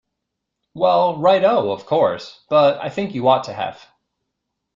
Well, right-ho, of course, but I think you ought to have.